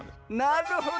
なるほど。